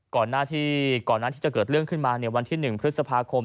ก่อนหน้าที่จะเกิดเรื่องขึ้นมาวันที่๑พฤษภาคม